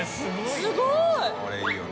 すごいな。